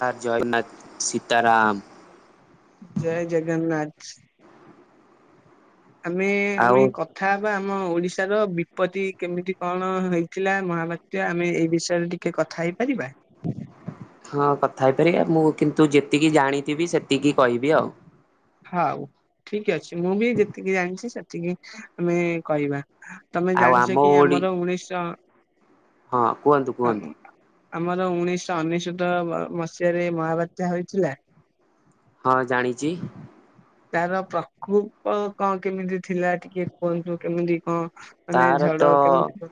ଜୟ ଜଗନ୍ନାଥ ସୀତାରାମ। ଜୟ ଜଗନ୍ନାଥ। ଆମେ-ଆମେ ଆଉ କଥା ହେବା ଆମ ଓଡିଶା ର ବିପତ୍ତି କେମିତି କଣ ହେଇଥିଲା ମହାବାତ୍ୟ ଆମେ ଏଇ ବିଷୟରେ ଟିକେ କଥା ହେଇପାରିବା? ହଁ କଥା ହେଇପାରିବା। ମୁଁ କିନ୍ତୁ ଯେତିକି ଜାଣିଥିବି ସେତିକି କହିବି ଆଉ। ହଉ ଠିକ ଅଛି ମୁଁ ବି ଯେତିକି ଜାଣିଛି ସେତିକି ଆମେ କହିବା। ତମେ ଆଉ ଆମ ଜାଣିଛ କି ଓଡି ଆମର ଉଣେଇଶ ହଁ କୁହନ୍ତୁ-କୁହନ୍ତୁ। ଆମର ଉଣେଇଶ ଅନେଶତ ମସିହାରେ ମହାବାତ୍ୟା ହୋଇଥିଲା। ହଁ ଜାଣିଛି। ତାର ପ୍ରକୋପ କଣ କେମିତି ଥିଲା ଟିକେ କୁହନ୍ତୁ କେମିତି କଣ? ମାନେ ତାର ତ ଝଡ କେମିତି ହଁ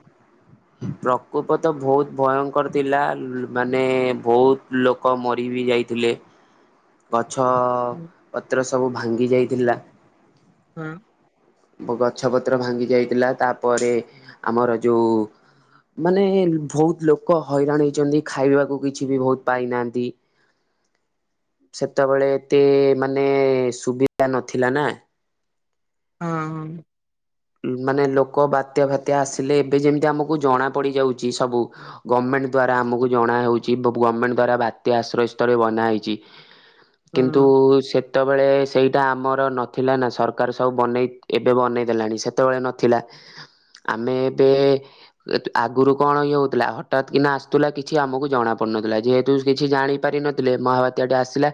ପ୍ରକୋପ ତ ବହୁତ ଭୟ ଙ୍କ ର ଥିଲା ମାନେ ବହୁତ ଲୋକ ମରି ବି ଯାଇଥିଲେ। ପ ଛ ପତ୍ର ସବୁ ଭାଙ୍ଗି ଯାଇଥିଲା। ହୁଁ। ଗଛ ପତ୍ର ଭାଙ୍ଗି ଯାଇଥିଲା ତାପରେ ଆମର ଯୋଉ ମାନେ ବହୁତ ଲୋକ ହଇରାଣ ହେଇଛନ୍ତି ଖାଇବାକୁ କିଛି ବି ବହୁତ ପାଇନାହାନ୍ତି। [unintelligible] ସେତେବେଳେ ଏତେ ମାନେ ସୁବିଧା ନଥିଲା ନା। ହଁ ହଁ। ମାନେ ଲୋକ ବାତ୍ୟା ପାତ୍ୟା ଆସିଲେ ଏବେ ଯେମିତି ଆମକୁ ଜଣା ପଡି ଯାଉଛି ସବୁ ଗମେଣ୍ଟ। ଗଭର୍ଣ୍ଣମେଣ୍ଟ ଦ୍ୱରା ଆମକୁ ଜଣା ହେଉଛି ଗଭର୍ଣ୍ଣମେଣ୍ଟ ଦ୍ୱରା ବାତ୍ୟା ଆ୍ରୟ ସ୍ଳରେ ବନାହଇଛି। କିନ୍ତୁ ହଁ। ସେ ସେତେବେଳେ ସେଇଟା ଆମର ନଥିଲା ନା ସରକାର ସବୁ ବନେଇ ଏବେ ବନେଇ ଦେେଲାଣି ସେ ସେତେବେଳେ ନଥିଲା। ଆମେ ଏବେ ଆଗରୁ କଣ ଇଏ ହଉଥିଲା ହଠାତ୍ କିନା ଆସୁଥିଲା କିଛି ଆମକୁ ଜଣା ପଡୁ ନଥିଲା ଯେହେତୁ କିଛି ଜାଣି ପାରି ନଥିଲେ ମହାବାତ୍ୟାଟେ ଆସିଲା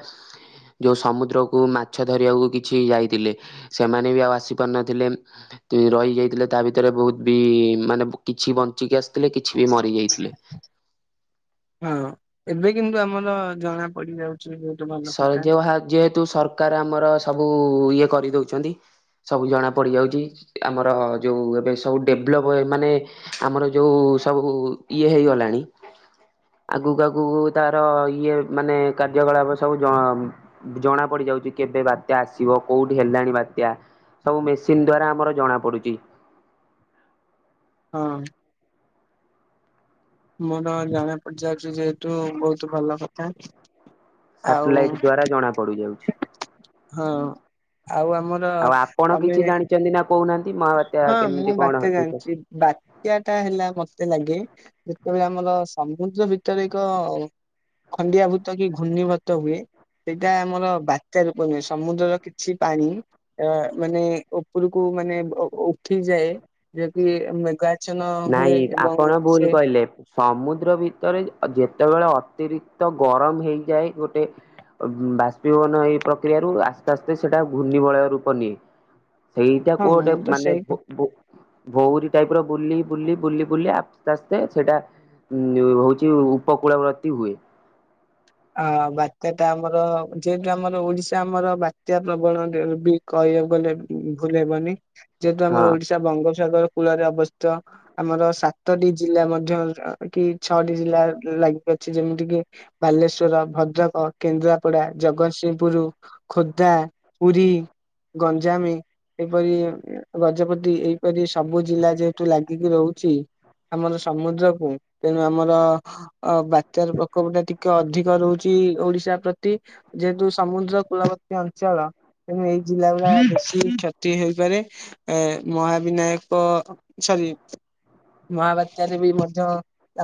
ଯୋଉ ସମୁଦ୍ରକୁୁ ମାଛ ଧରିବାକୁ କିଛି ଯାଇଥିଲେ ସେମାନେ ବି ଆଉ ଆସି ପାରିନଥିଲେ। ରହିଯାଇଥିଲେ ତା ଭିତରେ ବହୁତ ବି ମାନେ କିଛି ବଞ୍ଚିକି ଆସି ଥିଲେ କିଛି ବି ମରି ଯାଇଥିଲେ। ହଁ ଏବେ କିନ୍ତୁ ଆମର ଜଣା ପଡିଯାଉଛି। [unintelligible] ଯେହେତୁ ସରକାର ଆମର ସବୁ ଇଏ କରିଦଉଛନ୍ତି, ସବୁ ଜଣା ପଡି ଯାଉଛି, ଆମର ଯୋଉ ଏବେ ସବୁ ଡେଭଲପ୍ ମାନେ ଆମର ଯୋଉ ସବୁ ଇଏ ହେଇଗଲାଣି ଆଗକୁ ଆଗକୁ ତାର ଇଏ ମାନେ କାର୍ଯ୍ୟକଳାପ ସବୁ ଜଣା ଜଣା ପଡିଯାଉଛି କେବେ ବାତ୍ୟା ଆସିବ କୋଉଠି ହେଲାଣି ବାତ୍ୟା ସବୁ ମେସିନ ଦ୍ଵାରା ଆମର ଜଣା ପଡୁଛି। [unintelligible] ହଁ। ମୋର ଜଣା ପଡି ଯାଉଛି ଯେହେତୁ ବହୁତ ଭଲ କଥା। ଆଉ ସାଟେଲାଇଟ ଦ୍ଵାରା ଜଣା ପଡୁଛି। ଯାଉଛି, ହଁ ଆଉ ଆମର ଆଉ ଆପଣ ତମେ କିଛି ଜାଣିଛନ୍ତି ନା? [inaudible] ମହାବାତ୍ୟା ହଁ କେମିତି ମୁଁ କଣ ବାତ୍ୟା ହେଇଥାଏ? ଜାଣିଛି ବାତ୍ୟାଟା ହେଲା ମତେ ଲାଗେ ଯେତେବେଳେ ଆମର ସମୁଦ୍ର ଭିତରେ ଏକ ଖଣ୍ଡିଆଭୂତ କି ଘୂର୍ଣିଭୂତ ହୁଏ। ସେଇଟା ଆମର ବାତ୍ୟା ରୂପ ନୁହେଁ ସମୁଦ୍ରର କିଛି ପାଣି ମାନେ ଉପରକୁ ମାନେ ଉଁ ଉଠିଯାଏ ଯେ କିି ମେଗା ନାଇଁ ଆପଣ ଭୁଲ କହିଲେ ସମୁଦ୍ର ଭିତରେ ଯେ ଯେତ୍ ଯେତେବେଳେ ଅତିରିକ୍ତ ଗରମ ହେଇଯାଏ ଗୋଟେ ବାଷ୍ପୀଭବନ ଏଇ ପ୍ରକ୍ରିୟାରୁ ଆସ୍ତେ ଆସ୍ତେ ସେଇଟା ଘୂର୍ଣ୍ଣିବଳୟ ରୂପ ନିଏ। ସେଇଟାକୁ ହଁ ଗୋଟେ ମୁଁ ତ ମାନେ ସେଇ ଭ ଭ ଭ ଭଉଁରୀ ଟାଇପର ବୁଲି ବୁଲି ବୁଲି ବୁଲି ଆସ୍ତେ ଆସ୍ତେ ସେଇଟା ଉଁ-ଉଁ ହଉଛି ଉପକୂଳବ୍ରତ୍ତି ହୁଏ। [unintelligible] ଆ ବାତ୍ୟାଟା ଆମର ଯେହେତୁ ଆମର ଓଡିଶା ଆମର ବାତ୍ୟାପ୍ରବଣ [inaudible] ବି କହେ କହିବାକୁ ଗଲେ ଭୁଲ ହେବନି ଯେହେତୁ ହଁ ଆମର ଓଡିଶା ବଙ୍ଗୋପସାଗର କୂଳରେ ଅବସ୍ଥିତ ଆମର ସାତଟି ଜିଲ୍ଲା ମଧ୍ୟ କି ଛଅଟି ଜିଲ୍ଲା ଲାଗିବ ଅଛି ଯେମିତିକିି ବାଲେଶ୍ ର ଭଦ୍ରକ, କେନ୍ଦ୍ରାପଡା, ଜଗତସିଂହପୁର, ଖୋର୍ଦ୍ଧା, ପୁରୀ। ଗଞ୍ଜାମେ ଏପରି ଗଜପତି ଏଇପରି ସବୁ ଜିଲ୍ଲା ଯେହେତୁ ଲାଗିକି ରହୁଛି। ଆମର ସମୁଦ୍ରକୁ ତେଣୁ ଆମର ଅ ବାତ୍ୟାର ପ୍ରକୋପଟା ଟିକେ ଅଧିକ୍ ରହୁଛି ଓଡିଶା ପ୍ରତି ଯେହେତୁ ସମୁଦ୍ର କୁଳବର୍ତ୍ତୀ ଅଞ୍ଚଳ। ତେଣୁ ଏଇ ଜିଲ୍ଲାଗୁଡା ବେଶୀ କ୍ଷତି ହେଇପାରେ ଏ ମହାବିନାୟକ ଛ [inaudible] ମହାବାତ୍ୟାରେ ବି ମଧ୍ୟ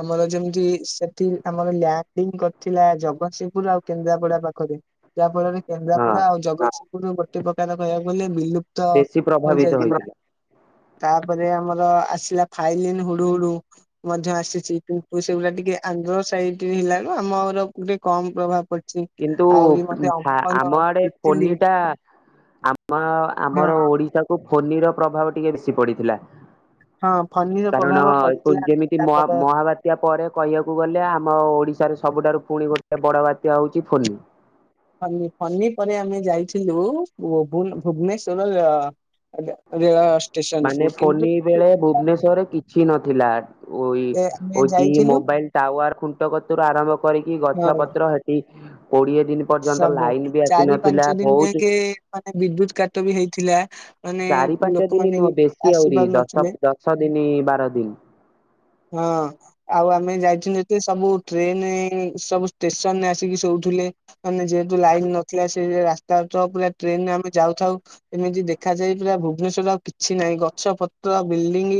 ଆମର ଯେମିତି ସେଠି ଆମର ଲ୍ୟାଣ୍ଡିଙ୍ଗ୍ କରି ଥିଲା ଜଗତସିଂହପୁର ଆଉ କେନ୍ଦ୍ରାପଡା ପାଖରେ ଯାହା ଫଳରେ ହଁ କେନ୍ଦ୍ରାପଡା ଆଉ ଜଗତସିଂହପୁର ଗୋଟେ ପ୍ରକାର [inaudible] କହିବାକୁ ଗଲେ ବିିଲୁପ୍ତ ବେଶୀ ପ୍ରଭାବିତ ହୋଇଥିଲା। ତାପରେ ଆମର ଆସିଲା ଫାଇଲିନ୍, ହୁଡୁହୁଡୁ ମଧ୍ୟ ଆସିଛି କିନ୍ତୁ ସେଗୁଡା ଟିକେ ଆନ୍ଧ୍ର ସାଇଟ୍ ହେଲା [inaudible] ଆମରକୁ ଟିକେ କମ୍ ପ୍ରଭାବ୍। କିନ୍ତୁ ଆ ଆମ ଆଡେ ତିତିଲି ଫୋନିଟା ଆମ ଆମର ଓଡିଶାକୁ ଫୋନିର ପ୍ରଭାବ ଟିକେ ବେଶୀ ପଡିଥିଲା। ହଁ ଫ କାରଣ ଯେ ଯେମିତି ମହା ମହାବାତ୍ୟା ପରେ କହିବାକୁ ଗଲେ ଆମ ଓଡିଶାରେ ସବୁଠାରୁ ପୁଣି ଗୋଟେ ବଡ ବାତ୍ୟା ହଉଛି ଫୋନି। ଫ ଫନି ପରେ ଆମେ ଯାଇଥିଲୁ ଭୁବନେଶ୍ଵର ଅ ମାନେ ଫନି ବେଳେ ଭୁବନେଶ୍ଵରରେ କିଛି ନଥିଲା। ଉଇ ଏ ଆମେ ହଉଛି ଯାଇଥିଲୁ ମୋବାଇଲ ଟାୱାର ଖୁଣ୍ଟ କତରୁ ଆରମ୍ଭ କରିକି ହଁ ଗଛ ପତ୍ର ହେଠିକ ସବୁ ଚାରି ଆସିନଥିଲା ପାଞ୍ଚ ଦିନ ବହୁତ ଯାାଇକେ ମାନେ ବିଦ୍ୟୁତ କାଟ ବି ହେଇଥିଲା। ମାନେ ଚାରି ପାଞ୍ଚ ଦିନ ଲୋକମାନେ ନୁହଁ ବେଶୀ ଆସି ଆହୁରି ଦଶ ପାରୁନଥିଲେ ଦଶ ଦିନ ବାର ଦିନ। ହଁ ଆଉ ଆମେ ଯାଇ ଯେ ସବୁ ଟ୍ରେନ ସବୁ ଷ୍ଟେସନରେ ଆସିକି ଶୋଉଥିଲେ। ମାନେ ଯେହେତୁ ଲାଇନ ନଥିଲା ସେ ରାସ୍ତା ତ ପୁରା ଟ୍ରେନରେ ଆମେ ଯାଉଥାଉ ଏମିତି ଦେଖାଯାଇ ପୁରା ଭୁବନେଶ୍୍ୱର ଆଉ କିଛି ନାହିଁ ଗଛ ପତ୍ର ବିଲଡିଂ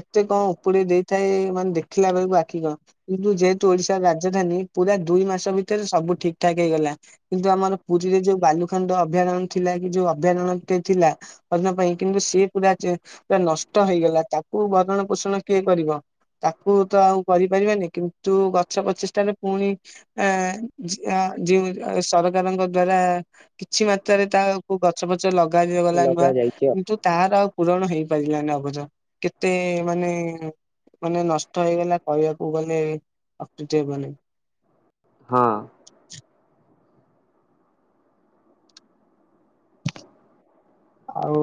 ଏତେ କଣ ଉପଡି ଦେଇଥାଏ ମାନେ ଦେଖ ିଲଥିଲା ବେଳକୁ ଆଖି କ କିନ୍ତୁ ଯେହେତୁ ଓଡିଶାର ରାଜଧାନୀ ପୁରା ଦୁଇ ମାସ ଭିତରେ ସବୁ ଠିକଠାକ ହେଇଗଲା କିନ୍ତୁ ଆମର ପୁରୀରେ ଯୋଉ ବାଲୁ ଖଣ୍ଡ ଅଭୟାରଣ୍ୟ ଥିଲା କି ଯୋଉ ଅଭୟାରଣ୍ୟ ଥିଲା ଅ ପାଇଁ କିନ୍ତୁ ସିଏ ପୁରା ପୁରା ନଷ୍ଟ ହେଇଗଲା ତାକୁ ବରଣ ପୋଷଣ କିଏ କରିବ। ତାକୁ ତ ଆଉ କରିପାରିବାନି କିନ୍ତୁ ଗଛ ପ୍ରଚେଷ୍ଟାରେ ପୁଣି ଆ ଯଉ ସରକାରଙ୍କ ଦ୍ଵାରା କିଛି ମାତ୍ରାରେ ତାକୁ ଗଛ ପଛ ଲଗା ଦିଆଗଲା ନୂଆ ଲଗା ଯାଇଛି ଆଉ କିନ୍ତୁ ତହାର ଆଉ ପୂରଣ ହେଇ ପାଇିଲାନ ଅବଧ କେତେ ମାନେ ମାନେ ନଷ୍ଟ ହେଇଗଲା କହିବାକୁ ଗଲେ ଅକୃତି ହେବନାହିଁ। ହଁ। ଆଉ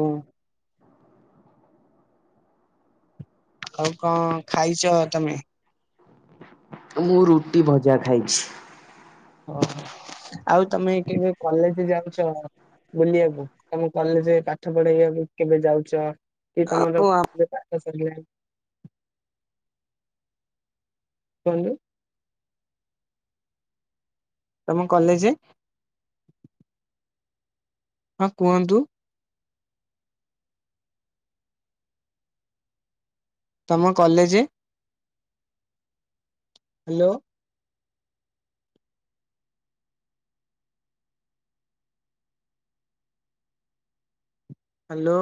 ଆଉ କଣ ଖାଇଛ ତମେ? ମୁଁ ରୁଟି ଭଜା ଖାଇଛି। ଓୋ ଆଉ ତମେ କେବେ କଲେଜ ଯାଉଛ? ବୁଲିବାକୁ ତମ କଲେଜରେ ପାଠ ପଢେଇବାକୁ କେବେ ଯାଉଛ। କି ତମର ଓ କୁହନ୍ତୁ। ତମ କଲେଜ ହଁ କୁହନ୍ତୁ। ତମ କଲେଜ ହ୍ୟାଲୋ। ହ୍ୟାଲୋ।